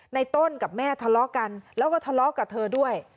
ในต้นกับแม่ทะเลาะกันแล้วก็ทะเลาะกับเธอด้วย